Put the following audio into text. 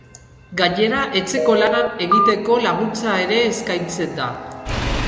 Gainera, etxeko lanak egiteko laguntza ere eskaintzen da.